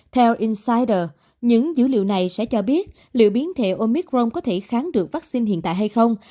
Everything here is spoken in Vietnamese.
theo incyder những dữ liệu này sẽ cho biết liệu biến thể omicron có thể kháng được vaccine hiện tại hay không